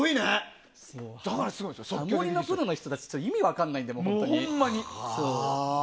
ハモリのプロの人たち意味が分からないので。